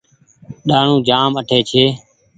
ڏآڻو جآم اٺي ڇي۔